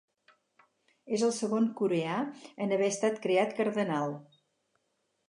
És el segon coreà en haver estat creat cardenal.